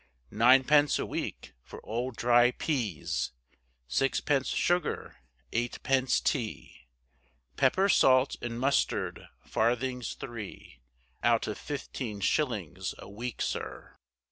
Ninepence a week for old dry peas, Sixpence sugar, eightpence tea, Pepper, salt, and mustard, farthings three, Out of fifteen shillings a week, sir.